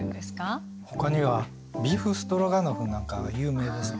ほかにはビーフストロガノフなんかが有名ですね。